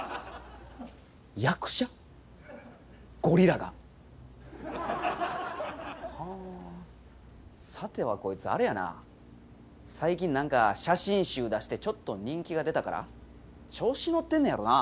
ゴリラが？はあさてはこいつあれやな最近何か写真集出してちょっと人気が出たから調子乗ってんねやろな。